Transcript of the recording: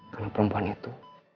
karena perempuan itu